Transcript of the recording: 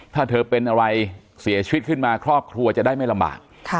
ถ้าเธอเป็นอะไรเสียชีวิตขึ้นมาครอบครัวจะได้ไม่ลำบาก